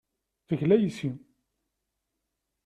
Tegla yes-i.